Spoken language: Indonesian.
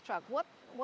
apa yang lainnya